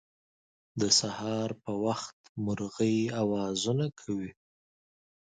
د سهار په وخت مرغۍ اوازونه کوی